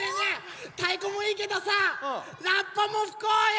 たいこもいいけどさラッパもふこうよ！